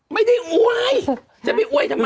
ไม่ได้อวยจะไปอวยทำไม